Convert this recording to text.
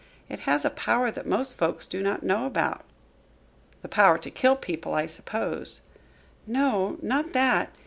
It has a power that most folks do not know about." "The power to kill people, I suppose." "No, not that.